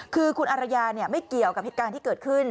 คือคุณอารยาไม่เกี่ยวกับเหตุการณ์ที่เกิดขึ้น